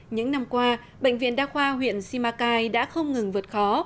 những năm qua bệnh viện đa khoa huyện simacai đã không ngừng vượt khó